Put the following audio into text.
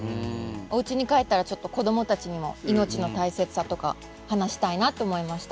おうちに帰ったらちょっと子供たちにも命の大切さとか話したいなって思いました。